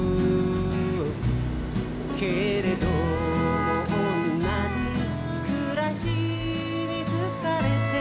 「けれどもおんなじ暮しに疲れて」